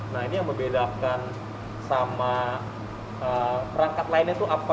nah ini yang membedakan sama perangkat lainnya itu apa